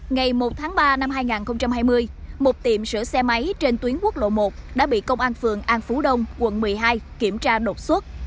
ngày một tháng ba năm hai nghìn hai mươi một tiệm sửa xe máy trên tuyến quốc lộ một đã bị công an phường an phú đông quận một mươi hai kiểm tra đột xuất